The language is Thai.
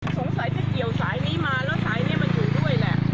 สงสัยไปเกี่ยวสายนี้มาแล้วสายนี้มันอยู่ด้วยแหละ